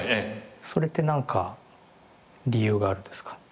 それって何か理由があるんですか？